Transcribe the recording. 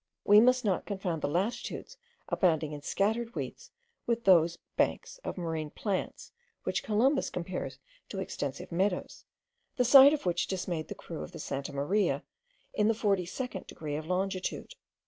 We must not confound the latitudes abounding in scattered weeds with those banks of marine plants, which Columbus compares to extensive meadows, the sight of which dismayed the crew of the Santa Maria in the forty second degree of longitude.